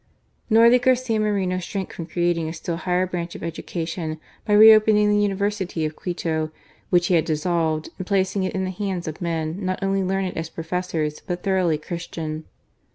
Nor did Garcia Moreno shrink from creating a still higher branch of education, by re opening the University of Quito, which he bad dissolved, and placing it in the bands of men not only learned as Professors, but thoroughly Christian.